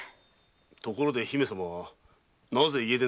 ところで姫様はなぜ家出を？